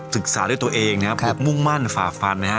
ศึกษาด้วยตัวเองนะครับมุ่งมั่นฝ่าฟันนะฮะ